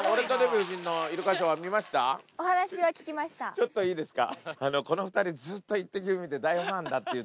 ちょっといいですか？